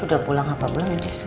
udah pulang apa belum